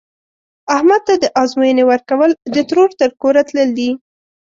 احمد ته د ازموینې ورکول، د ترور تر کوره تلل دي.